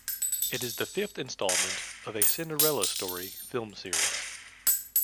It is the fifth installment of "A Cinderella Story" film series.